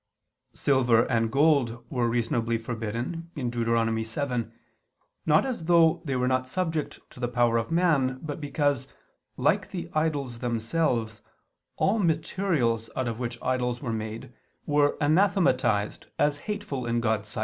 ] Silver and gold were reasonably forbidden (Deut. 7) not as though they were not subject to the power of man, but because, like the idols themselves, all materials out of which idols were made, were anathematized as hateful in God's sight.